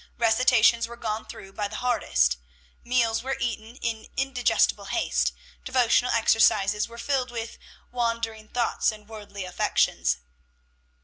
Recitations were gone through by the hardest. Meals were eaten in indigestible haste; devotional exercises were filled with "wandering thoughts and worldly affections."